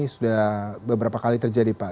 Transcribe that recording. sudah beberapa kali terjadi pak